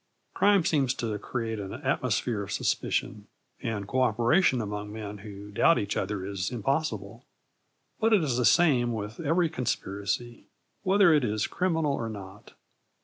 Crime seems to create an atmosphere of suspicion, and co operation among men who doubt each other is impossible. But it is the same with every conspiracy, whether it is criminal or not.